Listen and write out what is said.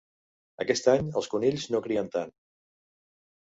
Aquest any els conills no crien tant.